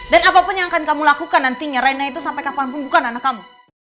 dan apapun yang akan kamu lakukan nantinya reina itu sampai kapanpun bukan anak kamu